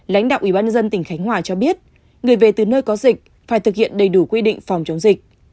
lãnh đạo ủy ban dân tỉnh khánh hòa cho biết người về từ nơi có dịch phải thực hiện đầy đủ quy định phòng chống dịch